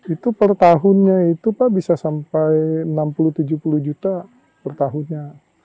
itu pertahunnya itu bisa sampai enam puluh tujuh puluh juta pertahunnya